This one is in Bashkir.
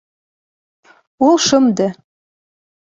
Ул шымды.